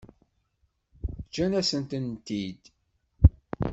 Ǧǧan-asen-tent-id.